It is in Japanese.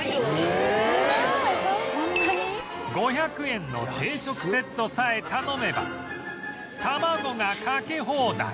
５００円の定食セットさえ頼めば卵がかけ放題